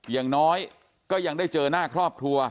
อย่างน้อยก็ยังได้เจอหน้าครอบครัว